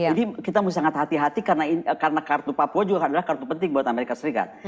jadi kita harus sangat hati hati karena kartu papua juga adalah kartu penting buat amerika serikat